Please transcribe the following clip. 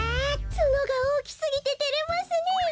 ツノがおおきすぎててれますねえ。